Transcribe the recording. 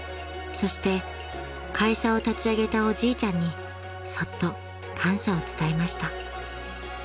［そして会社を立ち上げたおじいちゃんにそっと感謝を伝えました］